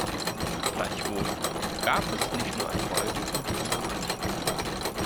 Gleichwohl gab es nicht nur Erfolge in diesem Bereich.